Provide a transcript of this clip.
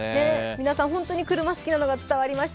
皆さん本当に車好きなのが伝わりました。